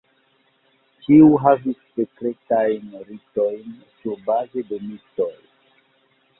Ĉiu havis sekretajn ritojn surbaze de mitoj.